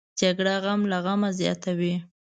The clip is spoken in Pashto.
جګړه غم له غمه زیاتوي